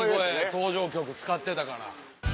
登場曲使ってたから。